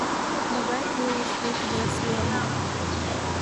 Могай илыш вӱд вес велне?